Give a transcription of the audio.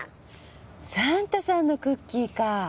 サンタさんのクッキーか。